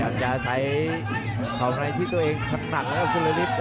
อยากจะใส่ข้างในที่ตัวเองชำถังนะครับสุริริตร